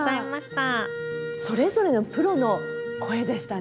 それぞれのプロの声でしたね。